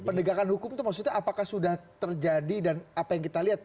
pendegakan hukum itu maksudnya apakah sudah terjadi dan apa yang kita lihat